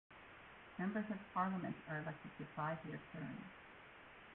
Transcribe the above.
Members of Parliament are elected to five year terms.